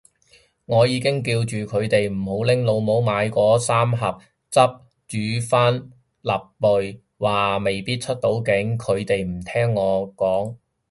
我已經叫住佢哋唔好拎老母買嗰三盒汁煮帆立貝，話未必出到境，佢哋唔聽我講